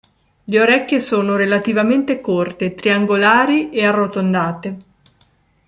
Le orecchie sono relativamente corte, triangolari e arrotondate.